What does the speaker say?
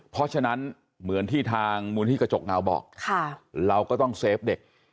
เพราะฉะนั้นเหมือนที่ทางมูลที่กระจกเงาบอกเราก็ต้องเซฟเด็ก